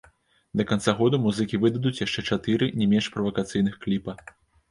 Да канца году музыкі выдадуць яшчэ чатыры не менш правакацыйных кліпа.